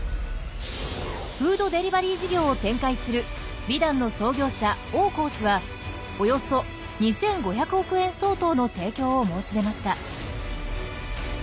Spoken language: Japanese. フードデリバリー事業を展開する美団の創業者王興氏はおよそ２５００億円相当の提供を申し出ました。